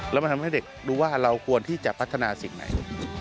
แล้วมันทำให้เด็กรู้ว่าเราควรที่จะพัฒนาสิ่งไหน